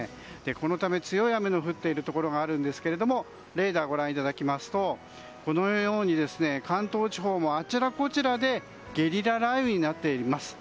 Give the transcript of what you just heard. このため、強い雨の降っているところがあるんですがレーダーご覧いただきますとこのように関東地方もあちらこちらでゲリラ雷雨になっています。